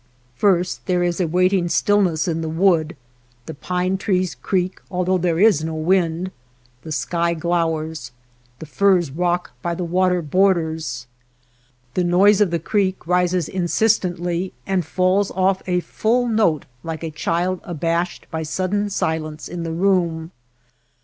First there is a waiting stillness in the wood; the pine trees creak although there is no wind, the sky glowers, the firs rock by the water borders. The noise of the creek rises in sistently and falls off a full note like a child abashed by sudden silence in the room.